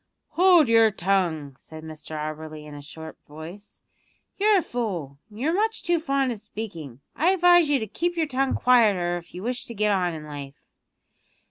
"Hold your tongue!" said Mr Auberly in a sharp voice; "you're a fool, and you're much too fond of speaking. I advise you to keep your tongue quieter if you wish to get on in life."